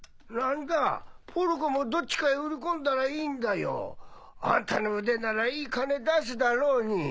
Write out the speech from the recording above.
何だポルコもどっちかへ売り込んだらいいんだよあんたの腕ならいい金出すだろうに。